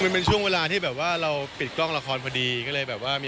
ตอนนี้ก็คือว่างอยู่หรือเปล่า